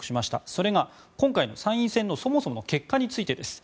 それが今回の参院選のそもそもの結果についてです。